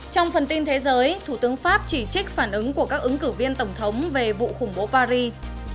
trong phần tin thế giới thủ tướng pháp chỉ trích phản ứng của các ứng cử viên tổng thống về vụ khủng bố paris